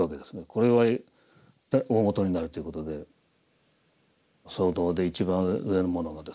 これは大ごとになるということで僧堂で一番上の者がですね